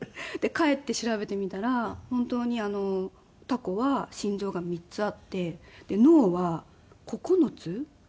帰って調べてみたら本当にタコは心臓が３つあって脳は９つ？